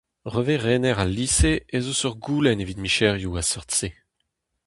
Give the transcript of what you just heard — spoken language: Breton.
Hervez rener al lise ez eus ur goulenn evit micherioù ar seurt-se.